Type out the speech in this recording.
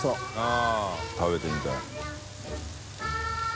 あっ食べてみたい。